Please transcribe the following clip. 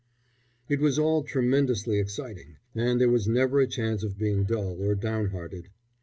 It was all tremendously exciting, and there was never a chance of being dull or downhearted.